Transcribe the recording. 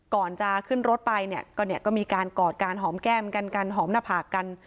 ก่อนจะขึ้นรถไปก็มีการกอดการหอมแก้มกันกันหอมหน้าผากกัน